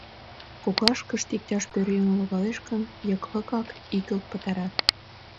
Коклашкышт иктаж пӧръеҥ логалеш гын, йыклыкак игылт пытарат.